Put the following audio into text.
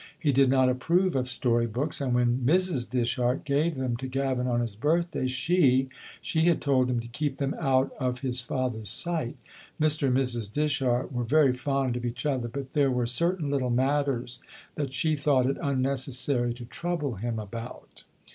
He did not approve of story books, and when Mrs. Dishart gave them to Gavin on his birthday she she had told him to keep them out of his father's sight. (Mr. and Mrs. Dishart were very fond of each other, but there were certain little matters that she thought it unnecessary to trouble him about.)